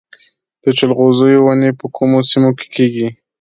د جلغوزیو ونې په کومو سیمو کې کیږي؟